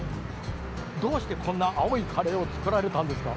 どうしてこんな青いカレーをつくられたんですか？